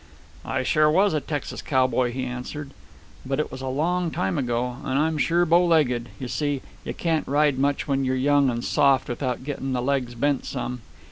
"I sure was a Texas cowboy," he answered. "But it was a long time ago. And I'm sure bow legged. You see, you can't ride much when you're young and soft without getting the legs bent some.